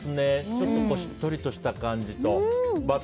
ちょっとしっとりとした感じと。